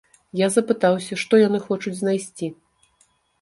Я запытаўся, што яны хочуць знайсці.